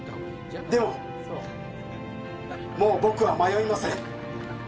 でももう僕は迷いません。